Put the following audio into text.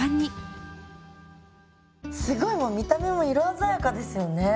すごいもう見た目も色鮮やかですよね。